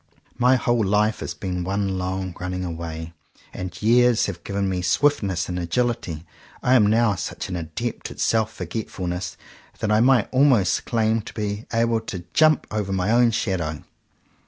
My whole life has been one long running away; and years have given me swiftness and agility. I am now such an adept at self forgetfulness that I might almost claim to be able to jump over my own shadow.